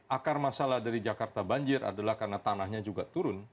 akar masalah dari jakarta banjir adalah karena tanahnya juga turun